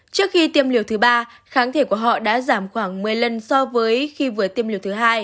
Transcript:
trước khi tiêm liều thứ ba kháng thể của họ đã giảm khoảng một mươi lần so với khi vừa tiêm liều thứ hai